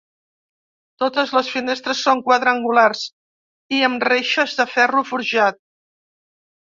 Totes les finestres són quadrangulars i amb reixes de ferro forjat.